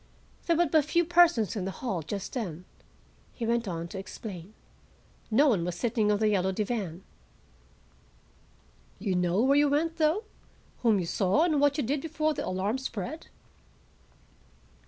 "There were but few persons in the hall just then," he went on to explain. "No one was sitting on the yellow divan." "You know where you went, though? Whom you saw and what you did before the alarm spread?"